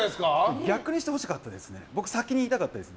逆にしてほしかったですね。